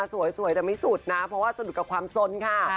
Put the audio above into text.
สวยแต่ไม่สุดนะเพราะว่าสะดุดกับความสนค่ะ